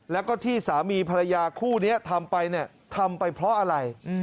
แล้วก็ที่สามีภรรยาคู่นี้ทำไปเนี่ยทำไปเพราะอะไร